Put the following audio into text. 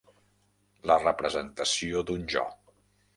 La representació d'un jo.